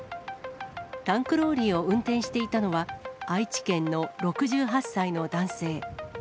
タンクローリーを運転していたのは、愛知県の６８歳の男性。